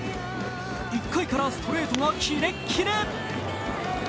１回からストレートがキレッキレ。